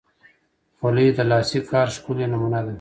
خولۍ د لاسي کار ښکلی نمونه ده.